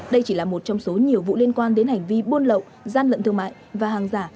đây chỉ là một trong số nhiều vụ liên quan đến hành vi buôn lậu gian lận thương mại và hàng giả